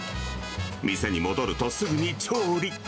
店に戻ると、すぐに調理。